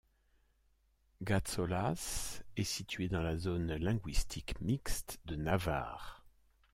Gazólaz est situé dans la zone linguistique mixte de Navarre.